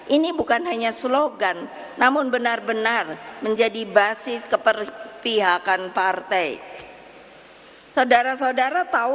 ini bukan hanya slogan namun benar benar menjadi basis keperpihakan partai saudara saudara tahu